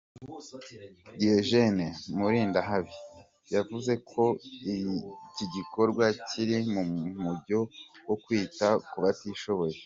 Diogène Mulindahabi, yavuze ko iki gikorwa kiri mu mujyo wo kwita ku batishoboye.